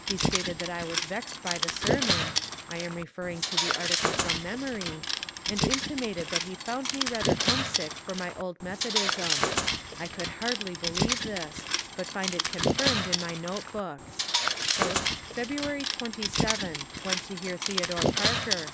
He stated that I was vexed by the sermon (I am referring to the article from memory), and intimated that he found me rather homesick for my old Metho DR. EPHRAIM PEABODT 131 dism. I oonld hardly believe this, but find it confirmed in my note book :" February 27. Went to hear Theodore Parker.